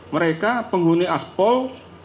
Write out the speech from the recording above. mereka penghuni aspol